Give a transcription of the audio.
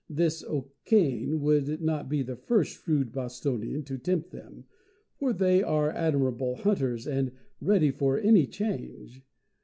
This O'Cain would not be the first shrewd Bostonian to tempt them, for they are admirable hunters and ready for any change.